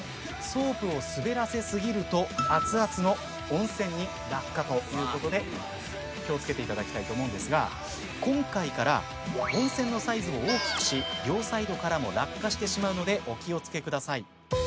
ソープを滑らせ過ぎると熱々の温泉に落下ということで気を付けていただきたいと思うんですが今回から温泉のサイズを大きくし両サイドからも落下してしまうのでお気を付けください。